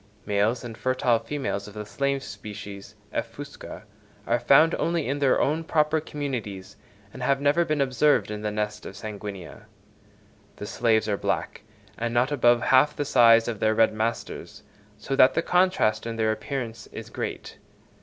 Males and fertile females of the slave species (F. fusca) are found only in their own proper communities, and have never been observed in the nests of F. sanguinea. The slaves are black and not above half the size of their red masters, so that the contrast in their appearance is great.